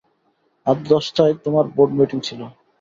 আজ দশটায় তোমার বোর্ড মিটিং ছিল!